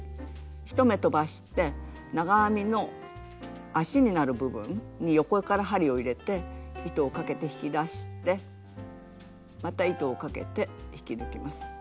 １目とばして長編みの足になる部分に横から針を入れて糸をかけて引き出してまた糸をかけて引き抜きます。